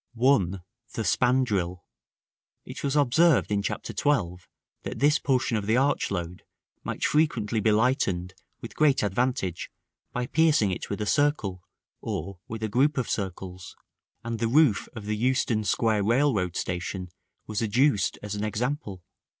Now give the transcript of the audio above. (1.) The Spandril. It was observed in Chapter XII., that this portion of the arch load might frequently be lightened with great advantage by piercing it with a circle, or with a group of circles; and the roof of the Euston Square railroad station was adduced as an example.